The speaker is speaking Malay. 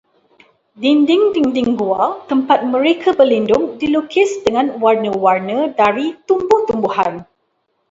Dinding-dinding gua tempat mereka berlindung dilukis dengan warna-warna dari tumbuh-tumbuhan.